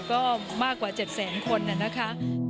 ก็มากกว่า๗แสนคนนะคะ